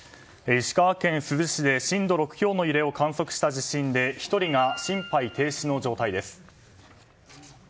石川県珠洲市で震度６強の揺れを観測した地震で１人が心肺停止の状態です。